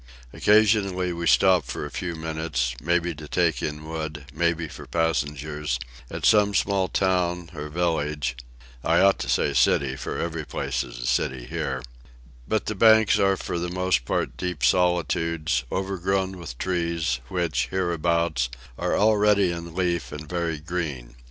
Occasionally, we stop for a few minutes, maybe to take in wood, maybe for passengers, at some small town or village (I ought to say city, every place is a city here); but the banks are for the most part deep solitudes, overgrown with trees, which, hereabouts, are already in leaf and very green.